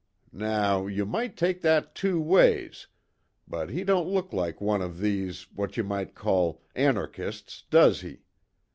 Now, you might take that two ways, but he don't look like one of these, what you might call, anarchists, does he?